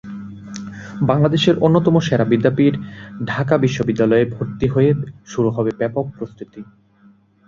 বাংলাদেশের অন্যতম সেরা বিদ্যাপীঠ, ঢাকা বিশ্ববিদ্যালয়ে ভর্তি হতে শুরু হবে ব্যাপক প্রস্তুতি।